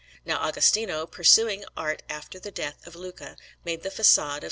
Now Agostino, pursuing the art after the death of Luca, made the façade of S.